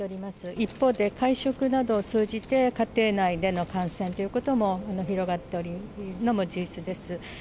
一方で、会食などを通じて、家庭内での感染ということも広がっているのも事実です。